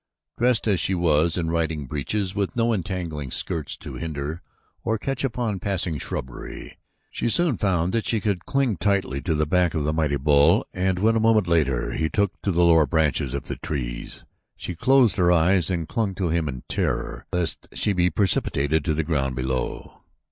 Dressed as she was in riding breeches with no entangling skirts to hinder or catch upon passing shrubbery, she soon found that she could cling tightly to the back of the mighty bull and when a moment later he took to the lower branches of the trees, she closed her eyes and clung to him in terror lest she be precipitated to the ground below.